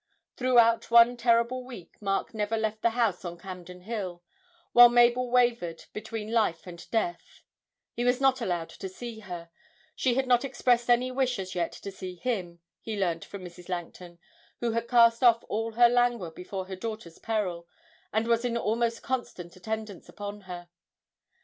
Throughout one terrible week Mark never left the house on Campden Hill, while Mabel wavered between life and death; he was not allowed to see her; she had not expressed any wish as yet to see him, he learnt from Mrs. Langton, who had cast off all her languor before her daughter's peril, and was in almost constant attendance upon her.